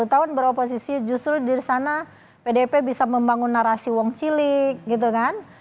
sepuluh tahun beroposisi justru di sana pdp bisa membangun narasi wong cilik gitu kan